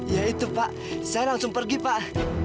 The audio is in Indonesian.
ya itu pak saya langsung pergi pak